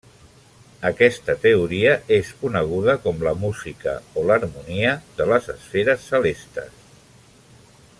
Aquesta teoria és coneguda com la música o l'harmonia de les esferes celestes.